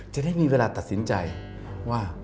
จะได้มีเวลาตัดสินใจว่า